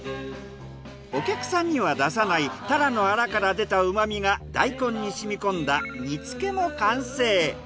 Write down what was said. お客さんには出さないタラのあらから出た旨みが大根にしみこんだ煮つけも完成。